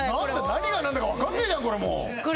何が何だか分かんねえじゃん